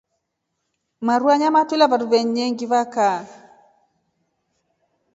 Maruu ya nyama twela wandu vengi va kaa.